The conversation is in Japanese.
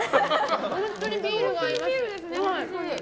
本当にビールに合います。